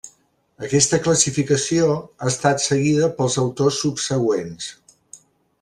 Aquesta classificació ha estat seguida pels autors subsegüents.